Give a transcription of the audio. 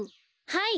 はい。